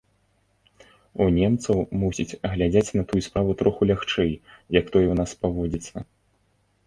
У немцаў, мусіць, глядзяць на тую справу троху лягчэй, як тое ў нас паводзіцца.